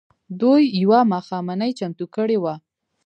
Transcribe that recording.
دوی يوه ماښامنۍ چمتو کړې وه.